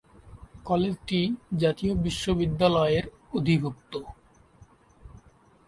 কলেজটি জাতীয় বিশ্ববিদ্যালয়ের অধিভুক্ত।